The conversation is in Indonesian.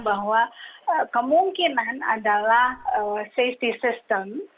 bahwa kemungkinan adalah safety system